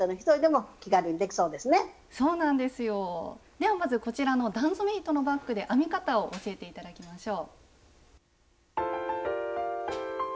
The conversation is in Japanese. ではまずこちらの段染め糸のバッグで編み方を教えていただきましょう。